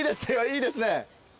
いいですね。